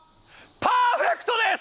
パーフェクトです！